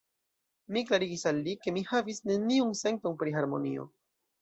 Mi klarigis al li, ke mi havis neniun senton pri harmonio.